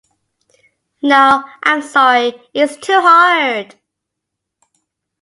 feminist نظریات مختلف لہجوں میں موجود ہیں، لیکن ان کا بنیادی